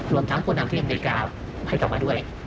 รวมทั้งผู้นำที่อเมริกาให้กลับมาด้วย